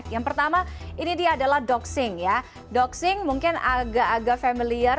yang pertama ini dia adalah doxing ya doxing mungkin agak agak familiar